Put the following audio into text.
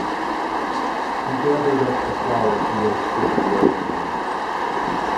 He gathered up the flowers he had sprinkled over her.